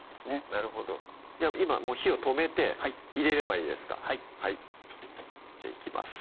なるほど今火を止めて入れればいいですかはいじゃあいきます